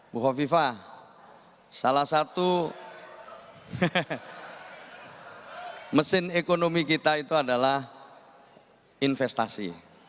bukofifah salah satu mesin ekonomi kita itu adalah investasi